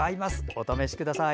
お試しください。